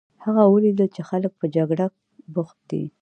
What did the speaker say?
هغه ولیدل چې خلک په جګړه بوخت دي.